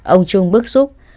ông trung bức xúc